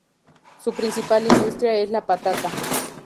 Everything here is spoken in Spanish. Su principal industria es la patata.